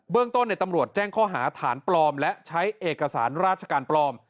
เรื่องต้นตำรวจแจ้งข้อหาฐานปลอมและใช้เอกสารราชการปลอม